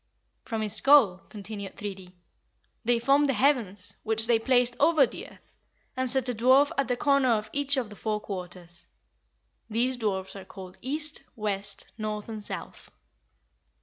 "From his skull," continued Thridi, "they formed the heavens, which they placed over the earth, and set a dwarf at the corner of each of the four quarters. These dwarfs are called East, West, North, and South.